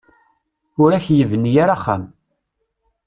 Ur ak-yebni ara axxam.